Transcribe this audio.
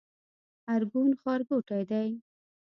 ارګون ښارګوټی دی؟